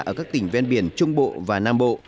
ở các tỉnh ven biển trung bộ và nam bộ